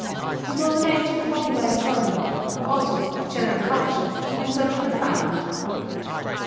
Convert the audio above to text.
It was an age of popular enjoyment, also of general culture and social refinement.